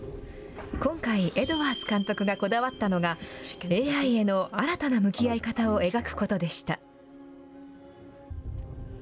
今回、エドワーズ監督がこだわったのが、ＡＩへの新たな向き合い方を描くことでした。